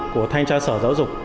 của thanh tra sở giáo dục